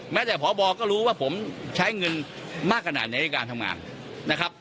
แม้แต่พบก็รู้ว่าผมใช้เงินมากขนาดไหนในการทำงานนะครับ